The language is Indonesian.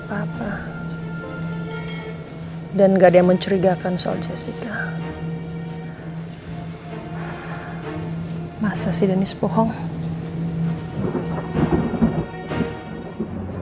bekerja di perusahaan ini